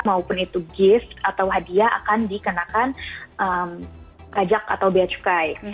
maupun itu gift atau hadiah akan dikenakan kajak atau bayacukai